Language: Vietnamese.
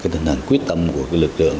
tình hình quyết tâm của lực lượng